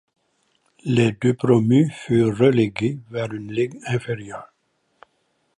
Les deux promus furent relégués vers une ligue inférieure.